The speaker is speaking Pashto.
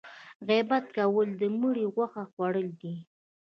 غیبت کول د مړي غوښه خوړل دي